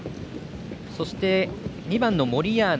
そして、２番モリアーナ。